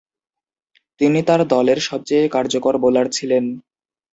তিনি তার দলের সবচেয়ে কার্যকর বোলার ছিলেন।